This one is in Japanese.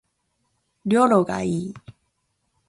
旅路がいい